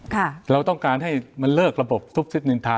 แต่เราต้องการมันเลิกระบบซุบซิบลินทา